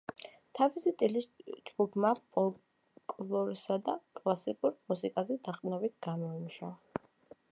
თავისი სტილი ჯგუფმა ფოლკლორსა და კლასიკურ მუსიკაზე დაყრდნობით გამოიმუშავა.